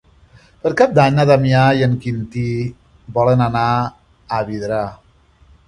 Per Cap d'Any na Damià i en Quintí volen anar a Vidrà.